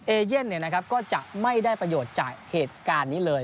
เอเย่นก็จะไม่ได้ประโยชน์จากเหตุการณ์นี้เลย